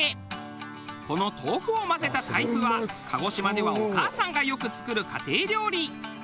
この豆腐を混ぜたタイプは鹿児島ではお母さんがよく作る家庭料理。